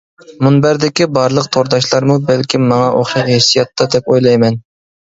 مۇنبەردىكى بارلىق تورداشلارمۇ بەلكىم ماڭا ئوخشاش ھېسسىياتتا دەپ ئويلايمەن.